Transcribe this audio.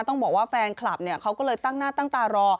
ต้องบอกว่าแฟนคลับเนี่ยเขาก็เลยตั้งหน้าตั้งตารอ